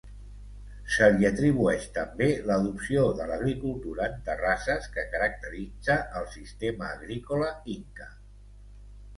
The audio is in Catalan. Se li atribueix també l'adopció de l’agricultura en terrasses, que caracteritza el sistema agrícola inca.